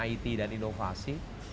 it dan inovasi